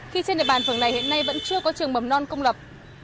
khi trên địa bàn phường này hiện nay vẫn chưa có trường mầm non công lập